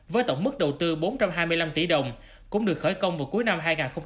với tổng mức đầu tư bốn trăm hai mươi năm tỷ đồng cũng được khởi công vào cuối năm hai nghìn một mươi sáu